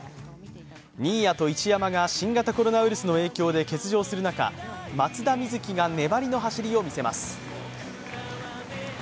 新谷と一山が新型コロナウイルスの影響で欠場する中、松田瑞生が粘りの走りを見せます。